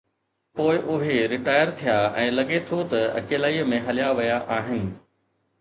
پوءِ اهي ريٽائر ٿيا ۽ لڳي ٿو ته اڪيلائي ۾ هليا ويا آهن.